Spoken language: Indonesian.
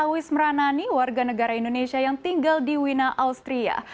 ada awis meranani warga negara indonesia yang tinggal di wiena austria